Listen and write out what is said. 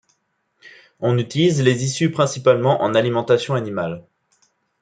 On utilise les issues principalement en alimentation animale.